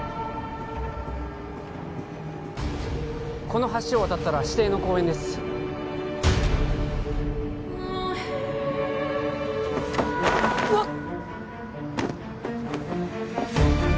この橋を渡ったら指定の公園ですあっ！